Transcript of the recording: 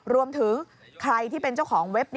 รวมถึงใครที่เป็นเจ้าของเว็บ